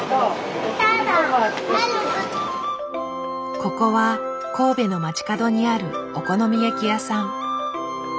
ここは神戸の街角にあるお好み焼き屋さん。